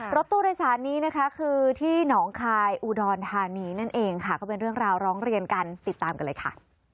รถตู้โดยสารนี้นะคะคือที่หนองคายอุดรธานีนั่นเองค่ะก็เป็นเรื่องราวร้องเรียนกันติดตามกันเลยค่ะ